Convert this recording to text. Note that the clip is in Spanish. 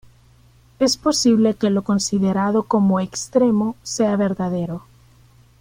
Es posible que lo considerado como extremo sea verdadero.